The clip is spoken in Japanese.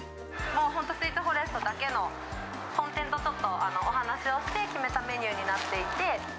本当スイーツフォレストだけの、本店とちょっとお話をして決めたメニューになっていて。